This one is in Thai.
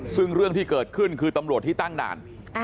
ซึ่งเรื่องที่เกิดขึ้นคือตำรวจที่ตั้งด่าน